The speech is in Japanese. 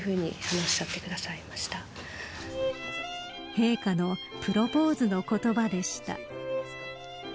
陛下のプロポーズの言葉でした。